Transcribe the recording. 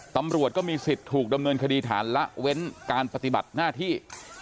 ตำรวจก็มีสิทธิ์ถูกดำเนินคดีฐานละเว้นการปฏิบัติหน้าที่